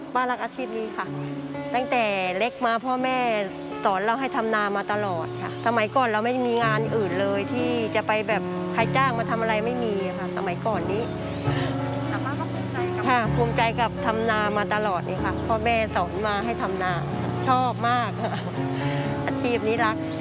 พี่โรทำนามาตลอดนี่ค่ะพ่อแม่ศนมาให้ทำนาชอบมากอาชีพนี้รัก